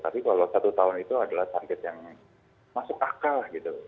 tapi kalau satu tahun itu adalah target yang masuk akal gitu